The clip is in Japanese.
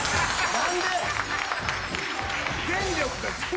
何で？